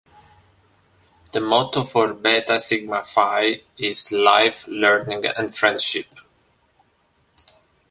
The motto for Beta Sigma Phi is Life, Learning and Friendship.